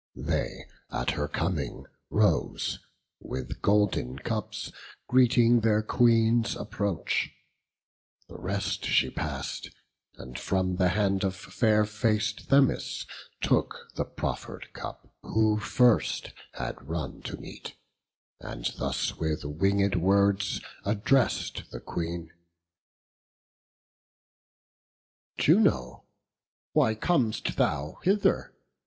They at her coming rose, with golden cups Greeting their Queen's approach; the rest she pass'd, And from the hand of fair fac'd Themis took The proffer'd cup, who first had run to meet, And thus with winged words address'd the Queen: "Juno, why com'st thou hither?